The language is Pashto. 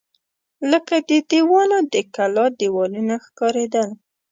لکه د دیوانو د کلا دېوالونه ښکارېدل.